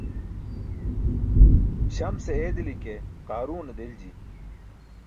Śamse eedili ke qaaruune delji.